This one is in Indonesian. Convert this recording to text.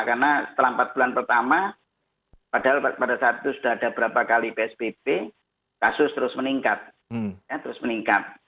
karena setelah empat bulan pertama padahal pada saat itu sudah ada beberapa kali psbb kasus terus meningkat